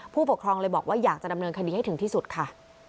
ผู้ปกครองเลยบอกว่าอยากจะดำเนินคดีให้ถึงที่สุดค่ะ